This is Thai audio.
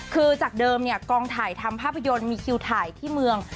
คือจากเดิมเนี่ยกองถ่ายทำภาพยนตร์มีคิวถ่ายที่เมือง